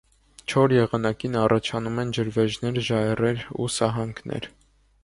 Չոր եղանակին առաջանում են ջրվեժներ, ժայռեր ու սահանքներ։